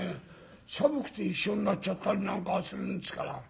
寒くて一緒になっちゃったりなんかするんですから。